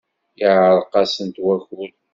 Yeɛreq-asent wakud.